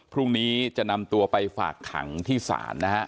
พรุ่งนี้จะนำตัวไปฝากขังที่ศาลนะฮะ